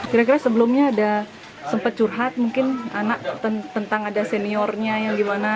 kira kira sebelumnya ada sempat curhat mungkin anak tentang ada seniornya yang gimana